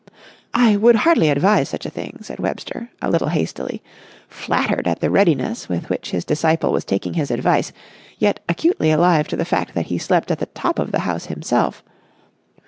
"I would hardly advise such a thing," said Webster, a little hastily—flattered at the readiness with which his disciple was taking his advice, yet acutely alive to the fact that he slept at the top of the house himself.